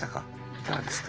いかがですか？